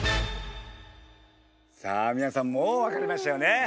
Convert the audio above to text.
さあ皆さんもう分かりましたよね。